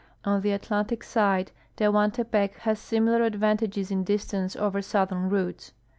On the Atlantic side Tehuantepec has similar advantages in distance over southern routes.